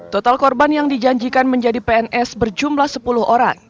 total korban yang dijanjikan menjadi pns berjumlah sepuluh orang